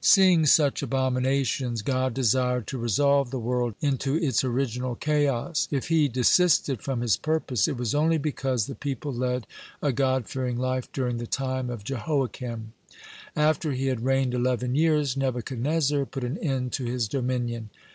(126) Seeing such abominations, God desired to resolve the world into its original chaos. If He desisted from His purpose, it was only because the people led a God fearing life during the time of Jehoiakim. (127) After he had reigned eleven years, Nebuchadnezzar put an end to his dominion.